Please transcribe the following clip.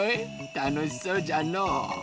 たのしそうじゃのう。